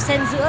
để làm để nuôi